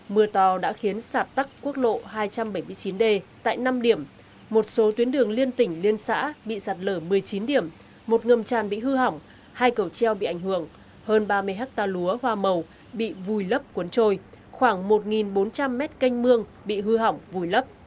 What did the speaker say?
mưa to đã khiến sạt tắc quốc lộ hai trăm bảy mươi chín d tại năm điểm một số tuyến đường liên tỉnh liên xã bị sạt lở một mươi chín điểm một ngầm tràn bị hư hỏng hai cầu treo bị ảnh hưởng hơn ba mươi hectare lúa hoa màu bị vùi lấp cuốn trôi khoảng một bốn trăm linh mét canh mương bị hư hỏng vùi lấp